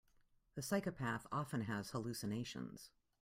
The psychopath often has hallucinations.